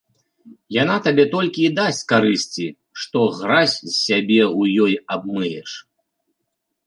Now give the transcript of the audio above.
Яна табе толькі і дасць карысці, што гразь з сябе ў ёй абмыеш.